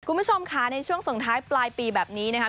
คุณผู้ชมค่ะในช่วงส่งท้ายปลายปีแบบนี้นะครับ